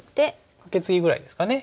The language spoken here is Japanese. カケツギぐらいですかね。